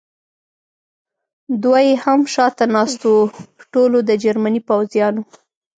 دوه یې هم شاته ناست و، ټولو د جرمني پوځیانو.